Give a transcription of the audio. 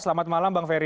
selamat malam bang ferry